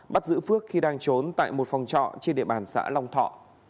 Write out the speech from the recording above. bắt giữ phước khi đang trốn tại một phòng trọ trên địa bàn xã long thọ